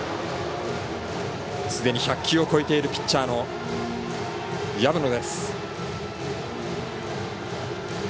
すでに１００球を超えているピッチャーの薮野。